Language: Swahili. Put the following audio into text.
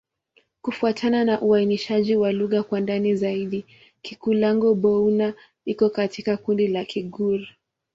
Kufuatana na uainishaji wa lugha kwa ndani zaidi, Kikulango-Bouna iko katika kundi la Kigur.